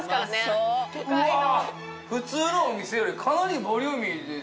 うわあ普通のお店よりかなりボリューミーですよね